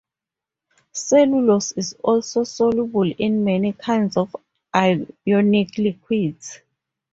Cellulose is also soluble in many kinds of ionic liquids.